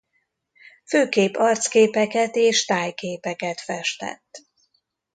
Főképp arcképeket és tájképeket festett.